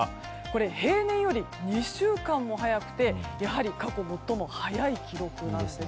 平年より２週間も早くてやはり過去最も早い記録なんです。